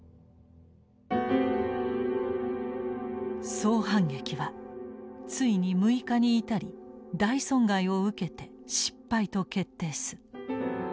「総反撃はついに６日に至り大損害を受けて失敗と決定す。